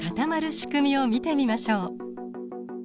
しくみを見てみましょう。